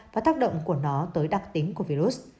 và tác động của nó tới đặc tính của virus